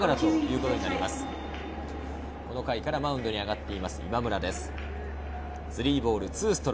このマウンド、この回からマウンドに上がっている今村です。